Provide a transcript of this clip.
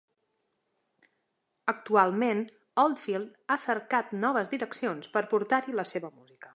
Actualment Oldfield ha cercat noves direccions per portar-hi la seva música.